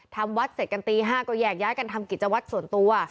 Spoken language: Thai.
ทำวัดเสร็จกันตี๕ก็แยกย้ายกันทำกิจวัตรส่วนตัว